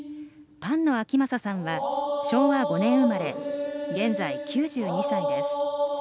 菅野昭正さんは昭和５年生まれ現在９２歳です。